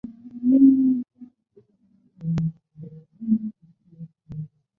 东北军内部残杀的悲剧愈演愈烈。